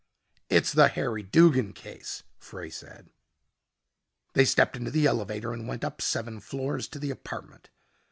"It's the Harry Duggin case," Frey said. They stepped into the elevator and went up seven floors to the apartment.